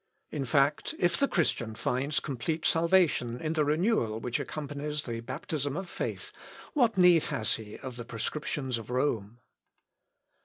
In fact, if the Christian finds complete salvation in the renewal which accompanies the baptism of faith, what need has he of the prescriptions of Rome?